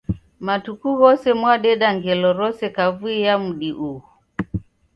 Matuku ghose mwadeda ngelo rose kavui ya mudi ughu.